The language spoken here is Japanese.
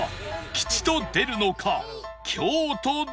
凶と出るのか？